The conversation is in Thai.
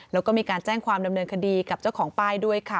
แล้วก็มีการแจ้งความดำเนินคดีกับเจ้าของป้ายด้วยค่ะ